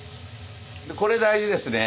これ大事ですね。